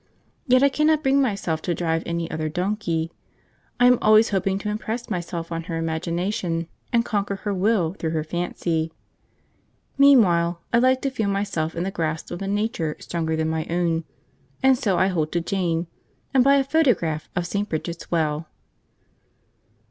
Yet I cannot bring myself to drive any other donkey; I am always hoping to impress myself on her imagination, and conquer her will through her fancy. Meanwhile, I like to feel myself in the grasp of a nature stronger than my own, and so I hold to Jane, and buy a photograph of St. Bridget's Well!